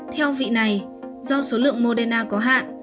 theo vị này do số lượng moderna có hạn